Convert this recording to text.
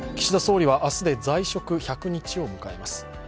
岸田総理は明日で在職１００日を迎えます。